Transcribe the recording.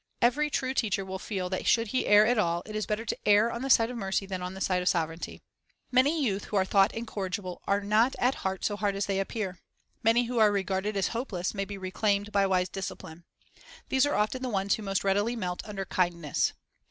Every true teacher will feel that should he err at all, it is better to err on the side of mercy than on the side of severity. Many youth who are thought incorrigible are not at heart so hard as they appear. Many who are regarded as hopeless may be reclaimed by wise discipline. These are often the ones who most readily melt under kind ness.